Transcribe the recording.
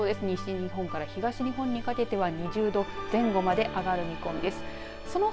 西日本から東日本にかけては２０度前後まで上がる見込みです。